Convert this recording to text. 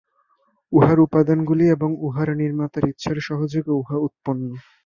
উহার উপাদানগুলি এবং উহার নির্মাতার ইচ্ছার সহযোগে উহা উৎপন্ন।